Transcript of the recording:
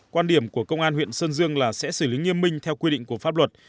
quan điểm của công an huyện sơn dương là sẽ xử lý nghiêm minh theo quy định của pháp luật